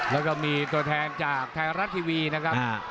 แล้วก็มีตัวแทนจากไทยรัฐทีวีนะครับ